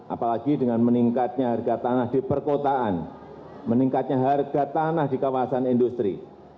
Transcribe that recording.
apalagi dengan meningkatnya harga tanah di perkotaan meningkatnya harga tanah di kawasan industri